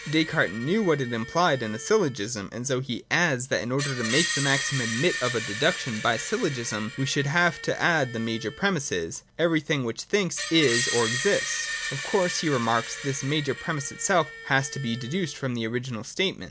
Descartes knew what it implied in a syllo gism, and so he adds that, in order to make the maxim admit of a deduction by syllogism, we should have to add the major premiss :' Illud oinnc quod cogitat, est sive existit.' (Everything which thinks, is or exists.) Of course, he remarks, this major premiss itself has to be deduced from the original statement.